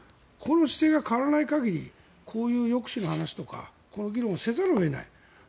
この姿勢が変わらない限りこういう抑止の話とかこの議論をせざるを得ない。